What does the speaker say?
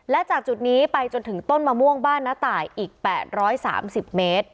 และจากจุดนี้ไปจนถึงต้นมะม่วงบ้านน้าต่ายอีกแปดร้อยสามสิบเมตร